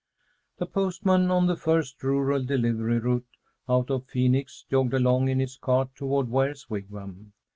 The postman on the first rural delivery route out of Phoenix jogged along in his cart toward Ware's Wigwam.